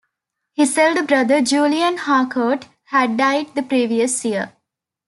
His elder brother, Julian Harcourt, had died the previous year.